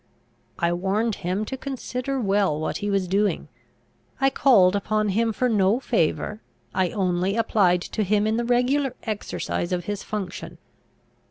I warned him to consider well what he was doing. I called upon him for no favour; I only applied to him in the regular exercise of his function.